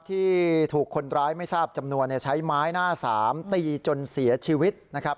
ที่ถูกคนร้ายไม่ทราบจำนวนใช้ไม้หน้าสามตีจนเสียชีวิตนะครับ